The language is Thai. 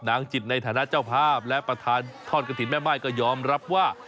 จิตในฐานะเจ้าภาพและประธานทอดกระถิ่นแม่ม่ายก็ยอมรับว่า